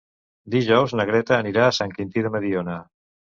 Dijous na Greta anirà a Sant Quintí de Mediona.